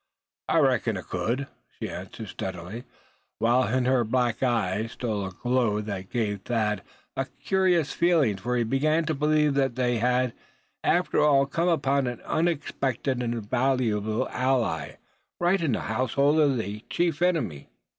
"I reckons I cud," she answered, steadily; while in her black eyes stole a glow that gave Thad a curious feeling; for he began to believe that they had after all come upon an unexpected and valuable ally, right in the household of the chief enemy.